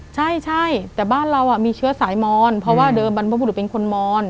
ใช่แต่บ้านเรามีเชื้อสายมอนเพราะว่าเดิมบรรพบุรุษเป็นคนมอน